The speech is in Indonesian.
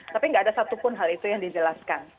tapi nggak ada satupun hal itu yang dijelaskan